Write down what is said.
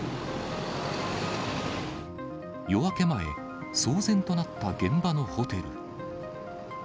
夜明け前、騒然となった現場のホテル。